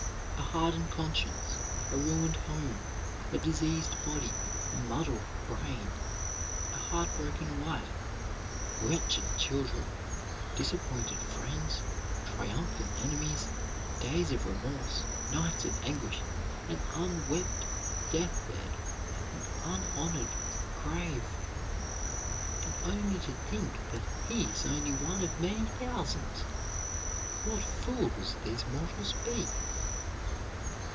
A hardened conscience, a ruined home, a diseased body, a muddled brain, a heartbroken wife, wretched children, disappointed friends, triumphant enemies, days of remorse, nights of anguish, an unwept deathbed, an unhonored grave. And only to think that he is only one of many thousands! "What fools these mortals be!"